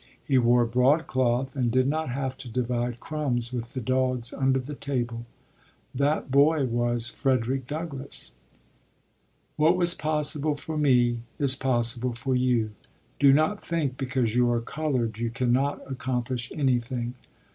He wore broadcloth and did not have to divide crumbs with the dogs under the table. That boy was Frederick Douglass. "What was possible for me is possible for you. Do not think because you are colored you can not accomplish anything.